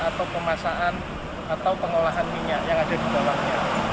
atau pemasaan atau pengolahan minyak yang ada di bawahnya